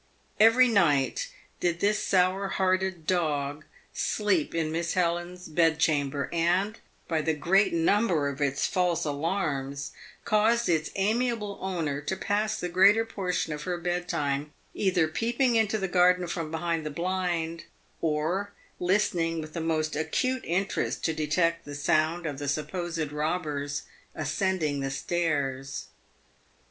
Every night did this sour hearted dog sleep in Miss Helen's bedchamber, and, by the great number of its false alarms, caused its amiable owner to pass the greater portion of her bedtime either peeping into the garden from behind the blind, or listening with the most acute interest to detect the sound of the supposed robbers ascending the stairs.